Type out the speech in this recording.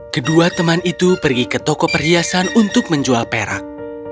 kedua teman itu pergi ke toko perhiasan untuk menjual perak